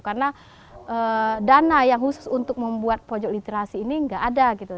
karena dana yang khusus untuk membuat pojok literasi ini tidak ada gitu